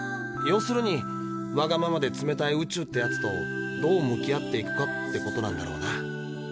要するにわがままで冷たい宇宙ってやつとどう向き合っていくかってことなんだろうな。